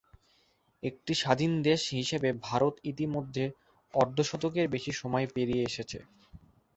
একটি স্বাধীন দেশ হিসেবে ভারত ইতিমধ্যে অর্ধশতকের বেশি সময় পেরিয়ে এসেছে।